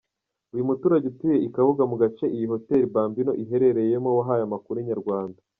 Umuturage utuye i Kabuga mu gace iyi Hotel Bambino iherereyemo wahaye amakuru Inyarwanda.